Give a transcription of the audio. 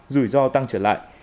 rủi ro tăng trở lại